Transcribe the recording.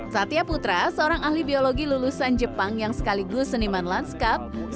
satya putra seorang ahli biologi lulusan jepang yang sekaligus seniman lanskap